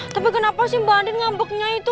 tapi kenapa sih mbak andi ngambeknya itu